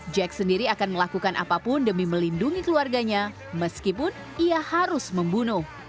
jack sendiri akan melakukan apapun demi melindungi keluarganya meskipun ia harus membunuh